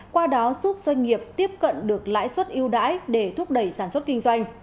qua đó giúp doanh nghiệp tiếp cận được lãi suất yêu đáy để thúc đẩy sản xuất kinh doanh